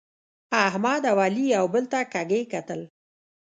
احمد او علي یو بل ته کږي کتل.